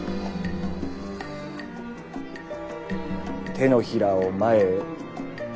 手のひらを前へ。